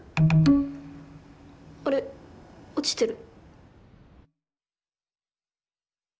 あれ落ちてる。